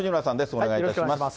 お願いいたします。